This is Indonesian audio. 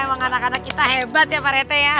emang anak anak kita hebat ya pak rethe ya